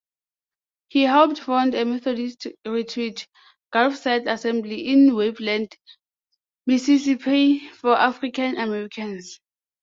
He helped found a Methodist retreat, Gulfside Assembly, in Waveland, Mississippi for African-Americans.